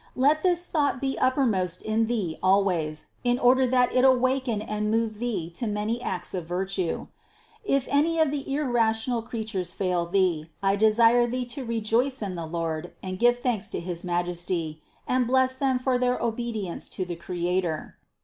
Let this thought be uppermost in thee always, in order that it awaken and move thee to many acts of vir tue. If any of the irrational creatures fail thee, I desire thee to rejoice in the Lord and give thanks to his Ma jesty, and bless them for their obedience to the Creator.